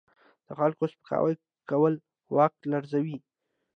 د خلکو سپکاوی کول واک لرزوي.